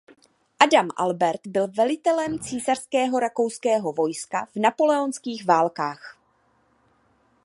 Adam Albert byl velitelem císařského rakouského vojska v napoleonských válkách.